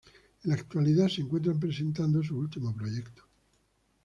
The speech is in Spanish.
En la actualidad se encuentran presentando su último proyecto.